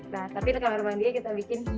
nah tapi kamar mandinya kita bikin hidden